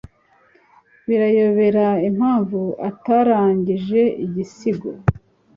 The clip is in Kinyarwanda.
Birayobera impamvu atarangije igisigo.